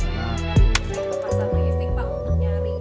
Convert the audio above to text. saya berpaksa sama istri pak untuk nyari